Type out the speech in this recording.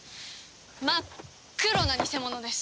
真っ黒な偽物です。